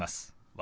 「私」。